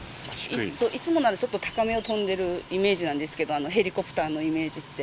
いつもならもっと高めを飛んでるイメージなんですけど、ヘリコプターのイメージって。